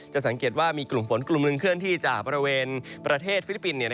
สังเกตว่ามีกลุ่มฝนกลุ่มหนึ่งเคลื่อนที่จากบริเวณประเทศฟิลิปปินส์